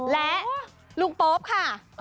และลุงโป๊ปค่ะ